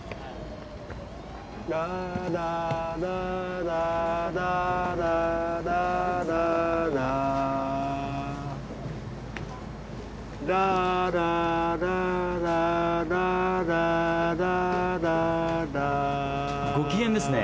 「ラララララララララララ」「ラララララララララ」ご機嫌ですね。